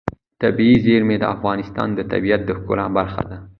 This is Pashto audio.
طبیعي زیرمې د افغانستان د طبیعت د ښکلا برخه ده.